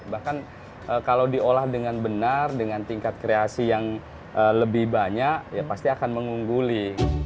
bahkan kalau diolah dengan benar dengan tingkat kreasi yang lebih banyak ya pasti akan mengungguli